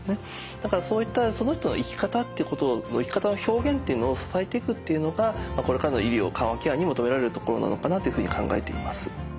だからそういったその人の生き方っていうことの生き方の表現っていうのを支えていくっていうのがこれからの医療緩和ケアに求められるところなのかなっていうふうに考えています。